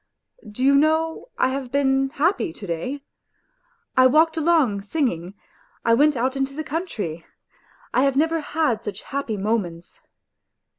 ... Do you know I have been happy to day? I walked along singing ; I went out into the country ; I have never WHITE NIGHTS 9 had such happy moments.